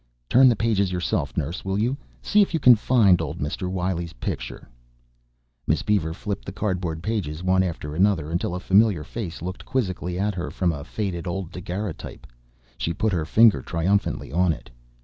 "Turn the pages yourself, nurse, will you? See if you can find old Mr. Wiley's picture." Miss Beaver flipped the cardboard pages one after another until a familiar face looked quizzically at her from a faded old daguerrotype. She put on finger triumphantly on it.